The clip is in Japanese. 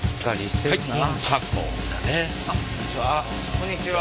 こんにちは。